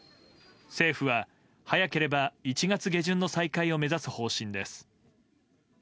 政府は、早ければ１月下旬の再開を目指す方針です。